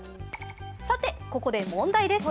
ここで問題です。